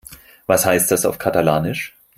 Was heißt das auf Katalanisch?